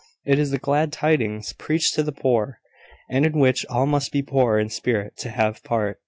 It is the glad tidings preached to the poor, and in which all must be poor in spirit to have part.